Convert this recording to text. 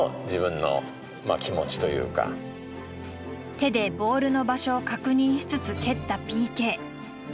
手でボールの場所を確認しつつ蹴ったＰＫ。